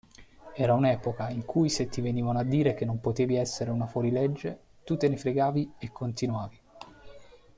Era un'epoca in cui se ti venivano a dire che non potevi essere una fuorilegge, tu te ne fregavi e continuavi.